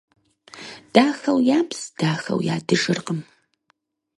Дахэу ябз дахэу ядыжыркъым.